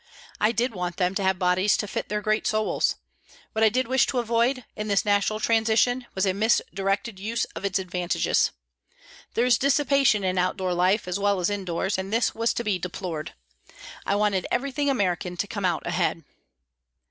I did want them to have bodies to fit their great souls. What I did wish to avoid, in this natural transition, was a misdirected use of its advantages. There is dissipation in outdoor life, as well as indoors, and this was to be deplored. I wanted everything American to come out ahead.